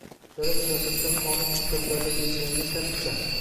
davlat siyosatida qonun hujjatlarida belgilangan tartibda